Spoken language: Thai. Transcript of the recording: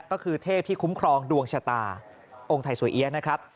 ก็คือเทพที่คุ้มครองดวงชะตาองค์ไทยสวยเอี๊ยะนะครับ